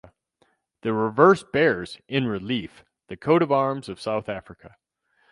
The reverse bears, in relief, the Coat of arms of South Africa.